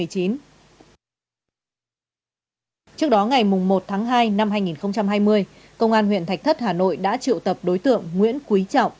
trước đó ngày một tháng hai năm hai nghìn hai mươi công an huyện thạch thất hà nội đã triệu tập đối tượng nguyễn quý trọng